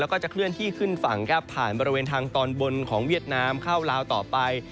แล้วก็จะเคลื่อนที่ขึ้นฝั่งครับผ่านบริเวณทางตอนบนของเวียดนามเข้าลาวต่อไป